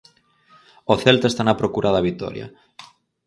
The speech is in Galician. O Celta está na procura da vitoria.